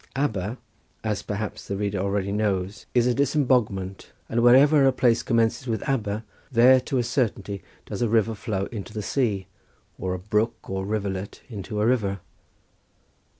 Aber, as perhaps the reader already knows, is a disemboguement, and wherever a place commences with Aber there to a certainty does a river flow into the sea or a brook or rivulet into a river.